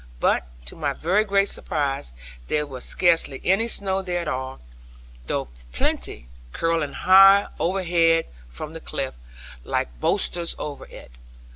But, to my very great surprise, there was scarcely any snow there at all, though plenty curling high overhead from the cliff, like bolsters over it.